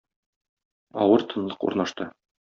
Авыр тынлык урнашты.